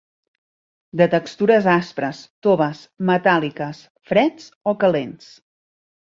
De textures aspres, toves, metàl·liques..., freds o calents.